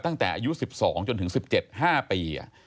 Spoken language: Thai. ตั้งแต่อายุ๑๒จนถึง๑๗๕ปี